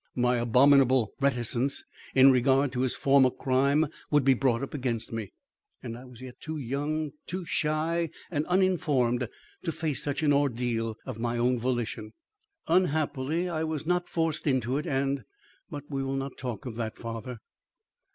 My abominable reticence in regard to his former crime would be brought up against me, and I was yet too young, too shy and uninformed to face such an ordeal of my own volition. Unhappily, I was not forced into it, and But we will not talk of that, father."